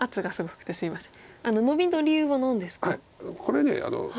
あっすいません。